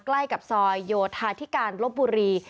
ใกล้กับซอยโยธาธิการลบบุรี